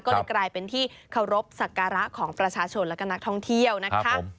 ก็เลยกลายเป็นที่เคารพสักการะของประชาชนและก็นักท่องเที่ยวนะคะ